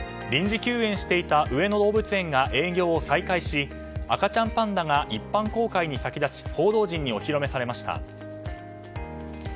臨時休園していた上野動物園が営業を再開し赤ちゃんパンダが一般公開に先立ちお披露目されました。